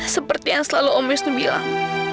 seperti yang selalu om wisnu bilang